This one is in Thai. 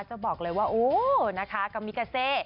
จะบอกเลยว่าโอ้นะคะกามิกาเซ